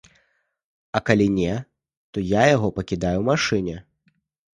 А калі не, то я яго пакідаю ў машыне.